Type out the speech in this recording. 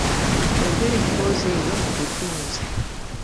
Yogera emboozi eyo mu bufunze.